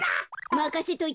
まかせといて。